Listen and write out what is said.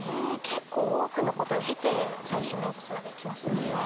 結構多くのことを経て最終面接までいきますもんね。